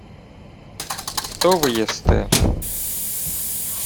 — Хто ви єсте?